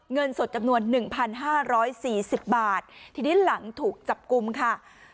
เงินสดจำนวนหนึ่งพันห้าร้อยสี่สิบบาททีนี้หลังถูกจับกลุ่มค่ะ